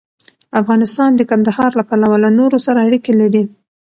افغانستان د کندهار له پلوه له نورو سره اړیکې لري.